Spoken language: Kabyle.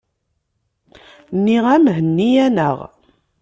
Nniɣ-am henni-aneɣ.